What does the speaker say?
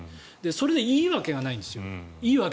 それでいいわけがないんです。